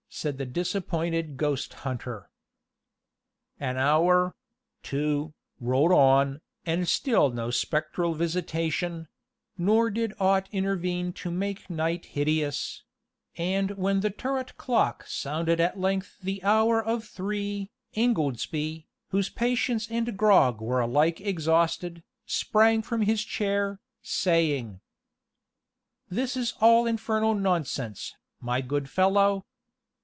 said the disappointed ghost hunter. An hour two rolled on, and still no spectral visitation; nor did aught intervene to make night hideous; and when the turret clock sounded at length the hour of three, Ingoldsby, whose patience and grog were alike exhausted, sprang from his chair, saying: "This is all infernal nonsense, my good fellow.